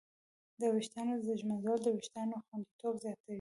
د ویښتانو ږمنځول د وېښتانو خوندیتوب زیاتوي.